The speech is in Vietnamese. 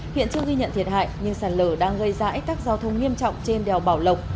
hiện chưa ghi nhận thiệt hại nhưng sạt lở đang gây ra ách tắc giao thông nghiêm trọng trên đèo bảo lộc